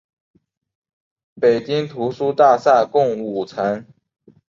北京图书大厦共五层。